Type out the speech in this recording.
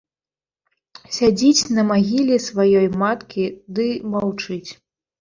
Сядзіць на магіле сваёй маткі ды маўчыць.